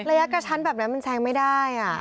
ระยะกระชั้นแบบนั้นมันแซงไม่ได้